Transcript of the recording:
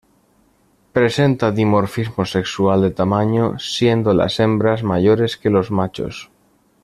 Presenta dimorfismo sexual de tamaño, siendo las hembras mayores que los machos.